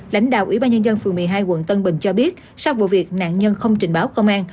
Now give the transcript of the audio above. lãnh đạo ủy ban nhân dân phường một mươi hai quận tân bình cho biết sau vụ việc nạn nhân không trình báo công an